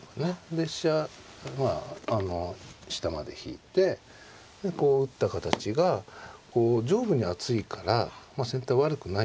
で飛車まあ下まで引いてこう打った形がこう上部に厚いから先手は悪くないよっていう。